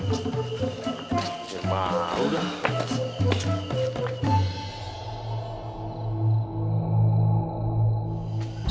gila mau dah